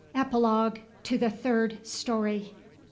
EPILOGUE TO THE THIRD STORY.